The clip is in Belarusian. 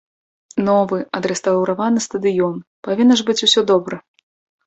Новы, адрэстаўраваны стадыён, павінна ж быць усё добра.